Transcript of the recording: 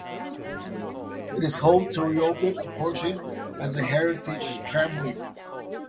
It is hoped to reopen a portion as a heritage tramway.